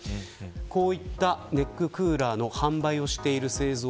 こういったネッククーラーの販売をしている製造